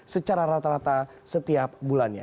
secara rata rata setiap bulannya